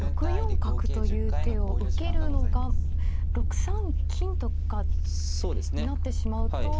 あ６四角という手を受けるのが６三金とかなってしまうと。